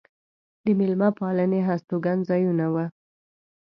د مېلمه پالنې هستوګن ځایونه و.